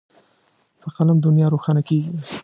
په قلم دنیا روښانه کېږي.